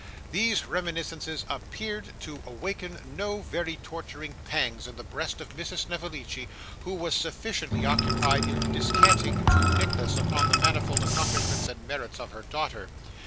These reminiscences appeared to awaken no very torturing pangs in the breast of Mrs. Snevellicci, who was sufficiently occupied in descanting to Nicholas upon the manifold accomplishments and merits of her daughter.